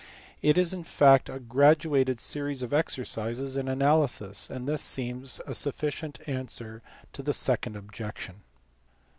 It is in fact a graduated series of exercises in analysis ; and this seems a sufficient answer to the second objection.